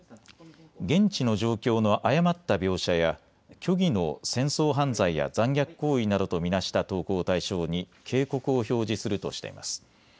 現地の状況の誤った描写や虚偽の戦争犯罪や残虐行為などと見なした投稿を対象に警告を表示するとしています。